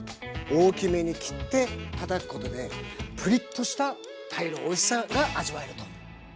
大きめに切ってたたくことでプリッとした鯛のおいしさが味わえると。